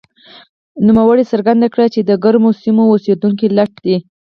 نوموړي څرګنده کړه چې د ګرمو سیمو اوسېدونکي لټ دي.